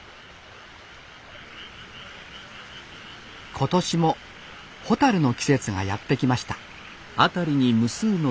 今年もホタルの季節がやって来ました